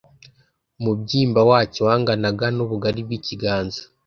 Umubyimba wacyo wanganaga n ubugari bw ikiganza